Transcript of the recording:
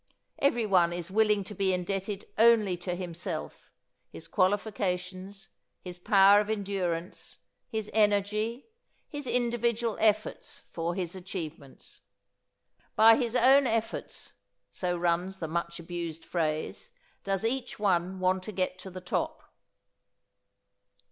Everyone is willing to be indebted only to himself, his qualifications, his power of endurance, his energy, his individual efforts for his achievements. "By his own efforts" so runs the much abused phrase, does each one want to get to the top.